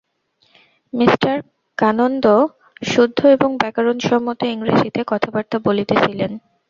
Me কানন্দ শুদ্ধ এবং ব্যাকরণ-সম্মত ইংরেজীতে কথাবার্তা বলিতেছিলেন।